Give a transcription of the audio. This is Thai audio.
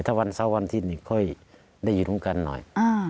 แต่ถ้าวันเศร้าวันที่ค่อยได้อยู่ตรงกันหน่อย